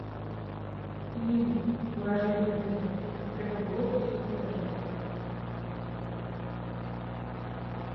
І ім, уражлівым людзям, трэба было ўсё перажыць.